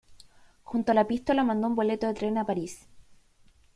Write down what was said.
Junto a la epístola mandó un boleto de tren a París.